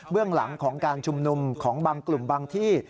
หลังของการชุมนุมของบางกลุ่มบางที่